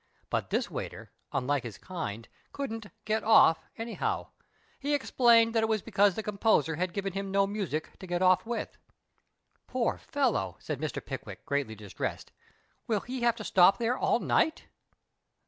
But this waiter, unlik*" his kind, couldn't " get off " anyhow. He explained that it was because the composer had given him no music to " get off " with. " Poor fellow," said Mr. Pickwick, greatly dis tressed ;" will he have to stop there all night